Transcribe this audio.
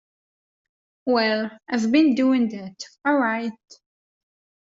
Well, I've been doing that, all right.